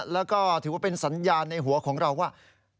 แล้วก็ถือว่าเป็นสัญญาณในหัวของเราว่า